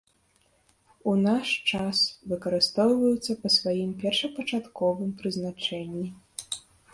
У наш час выкарыстоўваюцца па сваім першапачатковым прызначэнні.